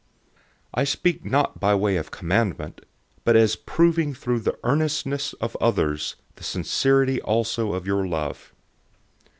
008:008 I speak not by way of commandment, but as proving through the earnestness of others the sincerity also of your love.